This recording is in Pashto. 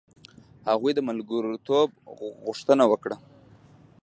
هغوی د ملګرتوب غوښتنه وکړه.